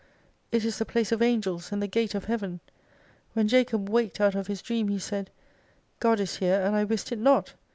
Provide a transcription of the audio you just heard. It is the place of Angels and the Gate of Heaven. When Jacob waked out of his dream, he said " God is here, and I wist it not.